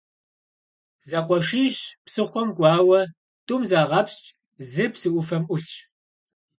Зэкъуэшищ псыхъуэм кӀуауэ, тӀум загъэпскӀ, зыр псы Ӏуфэм Ӏулъщ.